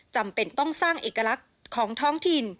จำเป็นต้องสร้างเอกลักษณ์ของท้องถิ่น